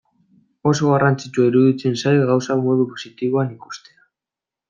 Oso garrantzitsua iruditzen zait gauzak modu positiboan ikustea.